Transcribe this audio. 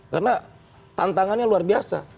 karena tantangannya luar biasa